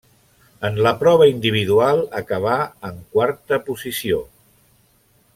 En la prova individual acabà en quarta posició.